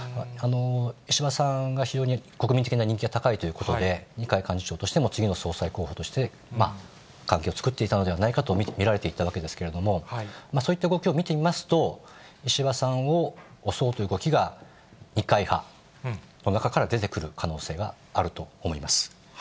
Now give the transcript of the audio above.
石破さんが非常に国民的な人気が高いということで、二階幹事長としても次の総裁候補として関係を作っていたのではないかと見られていたわけですけれども、そういった動きを見てみますと、石破さんを押そうという動きが、二階派の中から出てくる可能性があると思います。